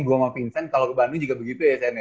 gue sama vincent kalo ke bandung juga begitu ya sen ya